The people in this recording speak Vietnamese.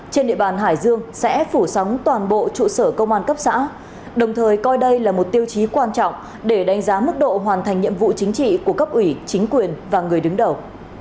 trên địa bàn hải dương sẽ phủ sóng toàn bộ trụ sở công an cấp xã đồng thời coi đây là một tiêu chí quan trọng để đánh giá mức độ hoàn thành nhiệm vụ chính trị của cấp ủy chính quyền và người đứng đầu